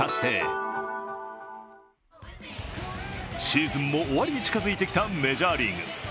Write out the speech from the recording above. シーズンも終わりに近づいてきたメジャーリーグ。